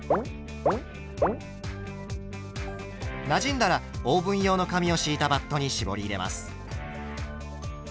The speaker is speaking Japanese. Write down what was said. なじんだらオーブン用の紙を敷いたバットに絞り入れます。